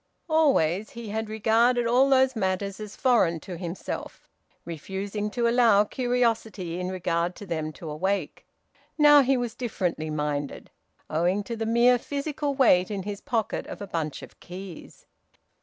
Always he had regarded all those matters as foreign to himself, refusing to allow curiosity in regard to them to awake. Now he was differently minded, owing to the mere physical weight in his pocket of a bunch of keys!